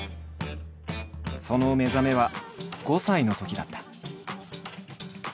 その目覚めは５歳のときだった。